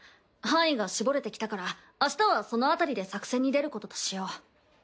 範囲が絞れてきたから明日はそのあたりで作戦に出ることとしよう。